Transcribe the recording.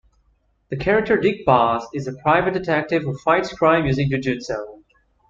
The character Dick Bos is a private detective who fights crime using jujutsu.